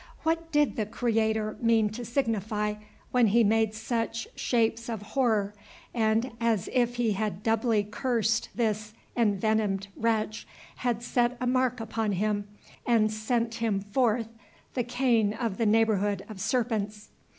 What did the Creator mean to signify, when he made such shapes of horror, and, as if he had doubly cursed this envenomed wretch, had set a mark upon him and sent him forth the Cain of the brotherhood of serpents?